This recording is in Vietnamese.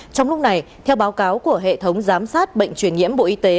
trong lúc này theo báo cáo của hệ thống giám sát bệnh truyền nhiễm bộ y tế